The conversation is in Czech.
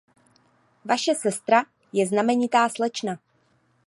Vaše sestra je znamenitá slečna.